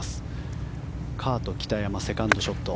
カート・キタヤマセカンドショット。